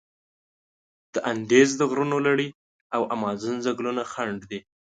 د اندیز د غرونو لړي او امازون ځنګلونه خنډ دي.